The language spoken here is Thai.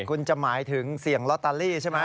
คุณจะหมายถึงเสี่ยงโลตัรปิ่นน์ใช่ไหม